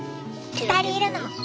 ２人いるの。